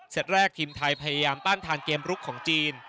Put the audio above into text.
แรกทีมไทยพยายามต้านทานเกมลุกของจีน